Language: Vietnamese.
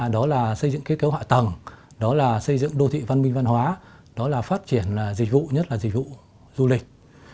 đó là xây dựng kế cấu hạ tầng đó là xây dựng đô thị văn minh văn hóa đó là phát triển dịch vụ nhất là dịch vụ du lịch